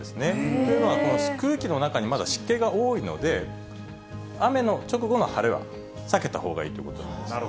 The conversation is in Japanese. というのは、空気の中にまだ湿気が多いので、雨の直後の晴れは避けたほうがいいということなんです。